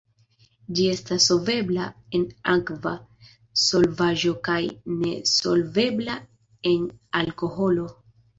Ĝi estas solvebla en akva solvaĵo kaj ne solvebla en alkoholo.